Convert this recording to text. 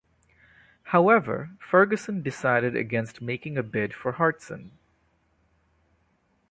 However, Ferguson decided against making a bid for Hartson.